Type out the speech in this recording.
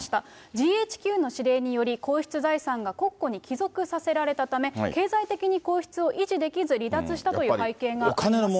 ＧＨＱの指令により、皇室財産が国庫に帰属させられたため、経済的に皇室を維持できず離脱したという背景があります。